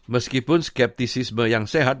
meskipun skeptisisme yang sehat